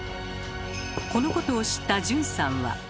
このことを知った順さんは。